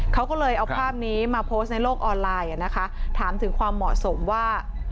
เขาก็เลยเอาภาพนี้มาโพสต์ในโลกออนไลน์นะคะถามถึงความเหมาะสมว่า